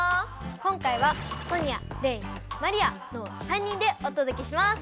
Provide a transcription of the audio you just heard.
今回はソニアレイマリアの３人でお届けします！